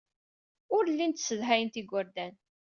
Ur llint ssedhayent igerdan.